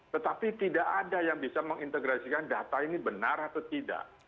tetapi tidak ada yang bisa mengintegrasikan data ini benar atau tidak